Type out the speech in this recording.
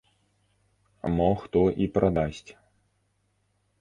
Мо хто і прадасць.